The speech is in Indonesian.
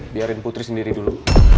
biarin putri sendiri dulu